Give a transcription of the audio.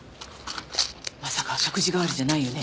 まさか食事代わりじゃないよね？